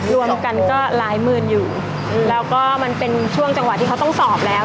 รวมกันก็หลายหมื่นอยู่แล้วก็มันเป็นช่วงจังหวะที่เขาต้องสอบแล้ว